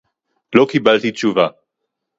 לֹא קִיבַּלְתִּי תְּשׁוּבָה.